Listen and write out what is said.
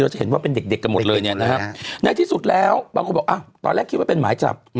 จะเห็นว่าเป็นเด็กกันหมดเลยเนี่ยนะครับในที่สุดแล้วบางคนบอกตอนแรกคิดว่าเป็นหมายจับ